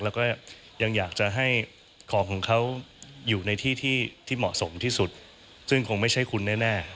แล้วก็ยังอยากจะให้ของของเขาอยู่ในที่ที่เหมาะสมที่สุดซึ่งคงไม่ใช่คุณแน่